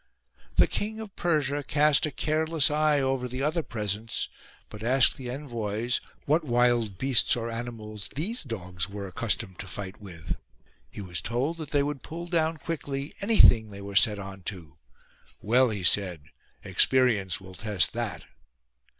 The King of Persia cast a careless eye over the other presents, but asked the envoys what wild beasts or animals these dogs were accustomed to fight with. He was told that they would pull down quickly anything they were set on to. "Well," he said, "experience will test that."